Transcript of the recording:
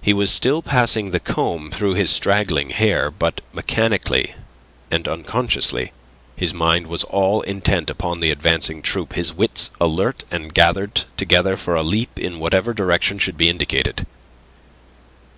He was still passing the comb through his straggling hair, but mechanically and unconsciously. His mind was all intent upon the advancing troop, his wits alert and gathered together for a leap in whatever direction should be indicated.